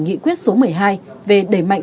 nghị quyết số một mươi hai về đẩy mạnh